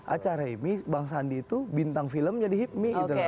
acara hipmi bang sandi itu bintang filmnya di hipmi